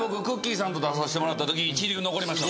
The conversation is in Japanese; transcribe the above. さんと出させてもらったとき一流残りました